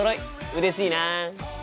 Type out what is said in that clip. うれしいな。